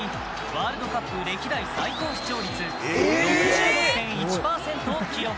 ワールドカップ歴代最高視聴率６６．１％を記録。